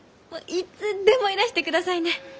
いつでもいらしてくださいね！